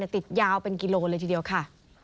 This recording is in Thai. ติดยาวเป็นกิโลเลยทีเดียวค่ะ